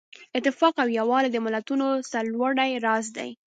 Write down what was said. اتفاق او یووالی د ملتونو د سرلوړۍ راز دی.